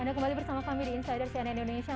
anda kembali bersama kami di insider cnn indonesia